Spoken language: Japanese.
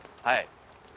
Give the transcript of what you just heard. はい。